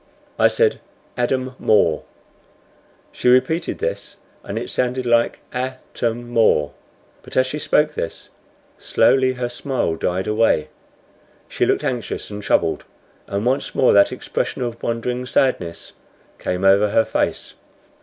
I said "Adam More." She repeated this, and it sounded like "A tam or." But as she spoke this slowly her smile died away. She looked anxious and troubled, and once more that expression of wondering sadness came over her face.